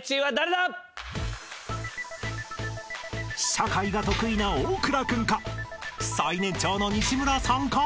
［社会が得意な大倉君か最年長の西村さんか］